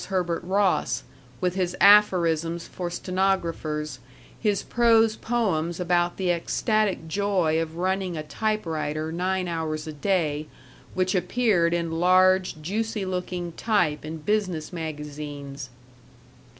Herbert Ross, with his aphorisms for stenographers, his prose poems about the ecstatic joy of running a typewriter nine hours a day, which appeared in large, juicy looking type in business magazines.